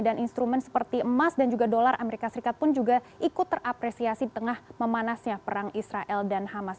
dan instrumen seperti emas dan juga dolar amerika serikat pun juga ikut terapresiasi tengah memanasnya perang israel dan hamas